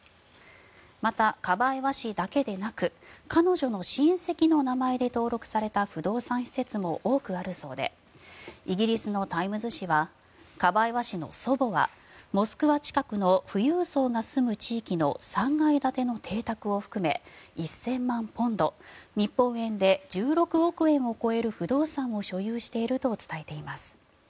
また、カバエワ氏だけでなく彼女の親戚の名前で登録された不動産施設も多くあるそうでイギリスのタイムズ紙はカバエワ氏の祖母はモスクワ近くの富裕層が住む地域の３階建ての邸宅を含め１０００万ポンド日本円で１６億円を超える不動産を所有していると伝えています。